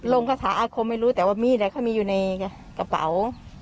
คาถาอาคมไม่รู้แต่ว่ามีดเขามีอยู่ในกระเป๋า